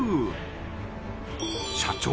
社長